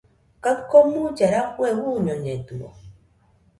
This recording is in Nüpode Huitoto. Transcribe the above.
Kaɨ komuilla rafue uñoñedɨo